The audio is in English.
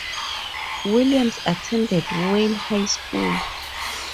Williams attended Wayne High School.